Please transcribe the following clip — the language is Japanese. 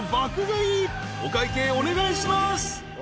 ［お会計お願いします］